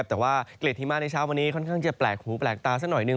แต่ว่าเกล็ดที่มาในเช้าวันนี้ค่อนข้างจะแปลกหูแปลกตาสักหน่อยหนึ่ง